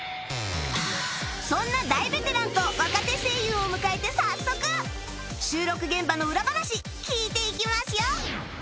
そんな大ベテランと若手声優を迎えて早速収録現場の裏話聞いていきますよ